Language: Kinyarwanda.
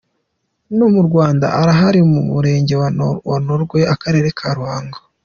no mu rwanda arahari, mu murenge wa ntongwe akarere ka ruhango.